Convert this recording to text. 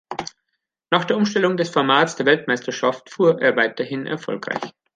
Nach der Umstellung des Formats der Weltmeisterschaft fuhr er weiterhin erfolgreich.